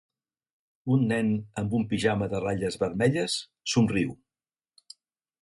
Un nen amb un pijama de ratlles vermelles somriu